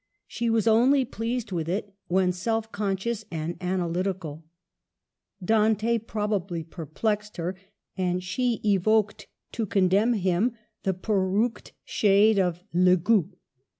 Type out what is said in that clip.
She was only pleased with it when self conscious and analyti \ cal. Dante probably perplexed her, and she evoked to condemn him the perruqued shade of " Le Gotit."